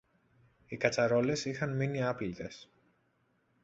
Οι κατσαρόλες είχαν μείνει άπλυτες